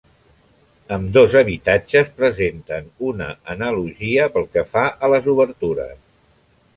Ambdós habitatges presenten una analogia pel que fa a les obertures.